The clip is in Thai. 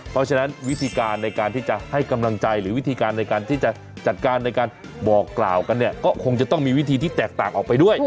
เพราะฉะนั้นวิธีการในการที่จะให้กำลังใจหรือวิธีการในการที่จะจัดการในการบอกกล่าวกันเนี่ยก็คงจะต้องมีวิธีที่แตกต่างออกไปด้วย